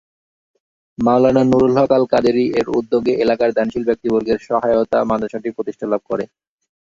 মাওলানা নুরুল হক আল কাদেরী এর উদ্যোগে এলাকার দানশীল ব্যক্তিবর্গের সহায়তা মাদ্রাসাটি প্রতিষ্ঠা লাভ করে।